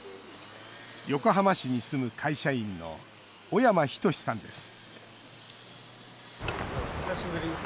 横浜市に住む会社員の小山仁さんです